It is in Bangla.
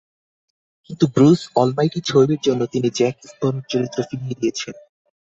কিন্তু ব্রুস অলমাইটি ছবির জন্য তিনি জ্যাক স্প্যারোর চরিত্র ফিরিয়ে দিয়েছিলেন।